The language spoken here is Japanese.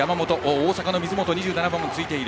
大阪の水本２７番もついている。